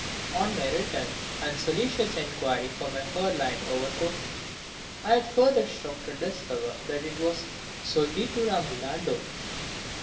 On my return and solicitous inquiry for my fur lined overcoat, I had the further shock to discover that it was solvitur ambulando!